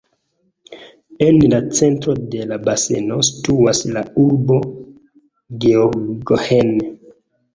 En la centro de la baseno situas la urbo Gheorgheni.